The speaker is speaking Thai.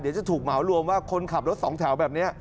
เดี๋ยวจะถูกเหมารวมว่าคนขับรถสองแถวแบบนี้